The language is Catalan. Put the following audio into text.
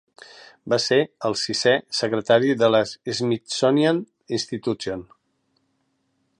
Va ser el sisè secretari de l'Smithsonian Institution.